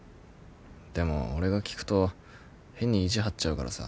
でも俺が聞くと変に意地張っちゃうからさ。